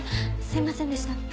すいませんでした。